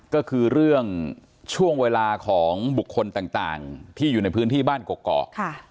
ก็คือเรื่องช่วงเวลาของบุคคลต่างที่อยู่ในพื้นที่บ้านกอก